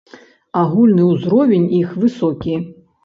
Агульны ўзровень іх высокі.